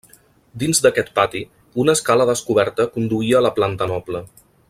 Dins d’aquest pati, una escala descoberta conduïa a la planta noble.